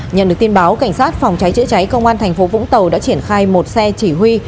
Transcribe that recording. nhận được tin báo cảnh sát phòng cháy chữa cháy công an thành phố vũng tàu đã triển khai một xe chỉ huy